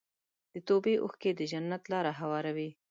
د توبې اوښکې د جنت لاره هواروي.